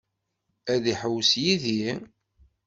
Ad iḥewwes yid-i?